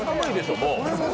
もう。